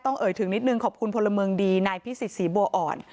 เอ่ยถึงนิดนึงขอบคุณพลเมืองดีนายพิสิทธิศรีบัวอ่อน